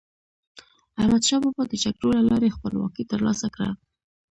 احمدشاه بابا د جګړو له لارې خپلواکي تر لاسه کړه.